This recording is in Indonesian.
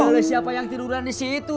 oleh siapa yang tiduran di situ